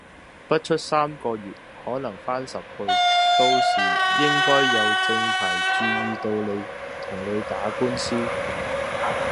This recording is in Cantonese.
不出三個月可翻十倍，到時應該有正牌注意到你，同你打官司